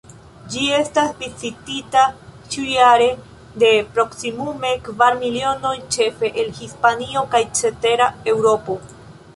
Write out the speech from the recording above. Ĝi estas vizitita ĉiujare de proksimume kvar milionoj, ĉefe el Hispanio kaj cetera Eŭropo.